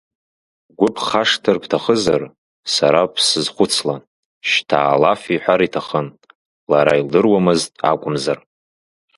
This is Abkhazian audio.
Бгәы бхашҭыр бҭахызар, сара бсызхәцла, шьҭа алаф иҳәар иҭахын, лара илдыруамызт акәымзар.